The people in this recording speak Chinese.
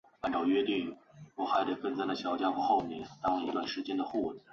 常赈赡贫穷。